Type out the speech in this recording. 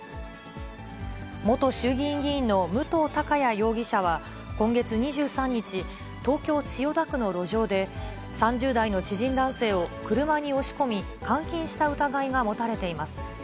元衆議院議員の武藤貴也容疑者は、今月２３日、東京・千代田区の路上で、３０代の知人男性を車に押し込み、監禁した疑いが持たれています。